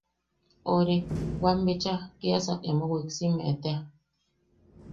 Ori... wam bicha kiasak emo wiksiime tea.